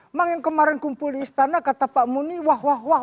emang yang kemarin kumpul di istana kata pak muni wah wah